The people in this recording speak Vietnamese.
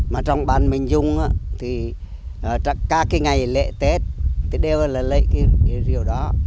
mà trong bản mình dùng các ngày lễ tết đều là lễ rượu đó